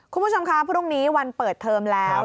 คุณผู้ชมคะพรุ่งนี้วันเปิดเทอมแล้ว